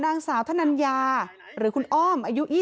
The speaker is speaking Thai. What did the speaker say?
สวัสดีคุณผู้ชายสวัสดีคุณผู้ชาย